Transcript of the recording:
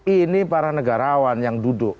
ini para negarawan yang duduk